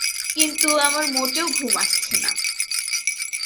কিন্তু আমার মোটেও ঘুম আসছে না।